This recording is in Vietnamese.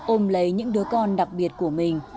ôm lấy những đứa con đặc biệt của mình